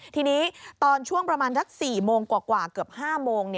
ทีนี้ตอนช่วงประมาณสัก๔โมงกว่าเกือบ๕โมง